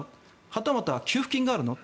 はたまた給付金があるの？